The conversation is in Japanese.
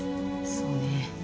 そうね。